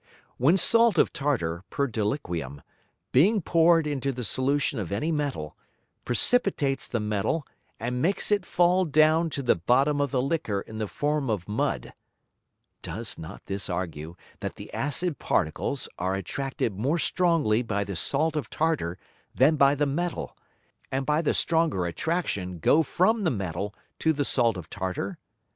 When Salt of Tartar per deliquium, being poured into the Solution of any Metal, precipitates the Metal and makes it fall down to the bottom of the Liquor in the form of Mud: Does not this argue that the acid Particles are attracted more strongly by the Salt of Tartar than by the Metal, and by the stronger Attraction go from the Metal to the Salt of Tartar?